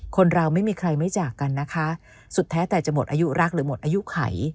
คนเราไม่มีใครไม่จากกันนะคะสุดแท้แต่จะหมดอายุรักหรือหมดอายุไข